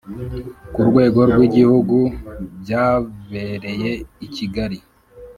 Ku rwego rw’ Igihugu byabereye I Kigali.